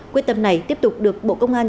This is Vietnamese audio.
quyết tâm này tiếp tục được bộ công an